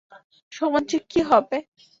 সমাজের কী হবে?